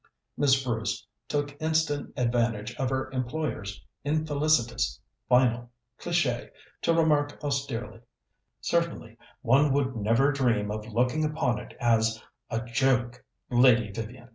Miss Bruce took instant advantage of her employer's infelicitous final cliché to remark austerely: "Certainly one would never dream of looking upon it as a joke, Lady Vivian.